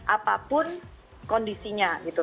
apapun kondisinya gitu